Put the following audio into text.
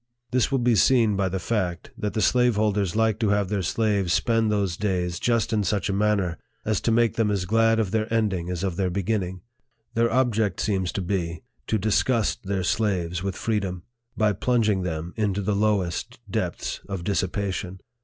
This will be seen by the fact, that the slaveholders like to have their slaves spend those days just in such a man ner as to make them as glad of their ending as of their beginning. Their object seems to be, to disgust their slaves with freedom, by plunging them into the lowest depths of dissipation.